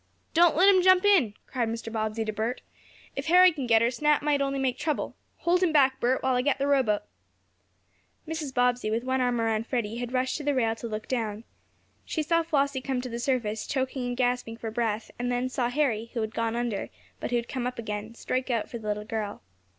"Don't let him jump in!" cried Mr. Bobbsey to Bert. "If Harry can get her, Snap might only make trouble. Hold him back, Bert, while I get the rowboat." Mrs. Bobbsey, with one arm around Freddie, had rushed to the rail to look down. She saw Flossie come to the surface, choking and gasping for breath, and then saw Harry, who had gone under, but who had come up again, strike out for the little girl.